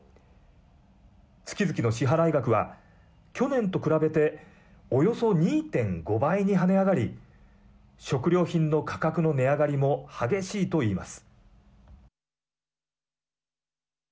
月々の支払い額は去年と比べておよそ２．５倍に跳ね上がり食料品の価格の値上がりも激しいと言います。